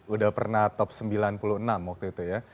udah pernah top sembilan puluh enam waktu itu ya